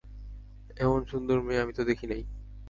এমন সুন্দর মেয়ে আমি তো দেখি নাই।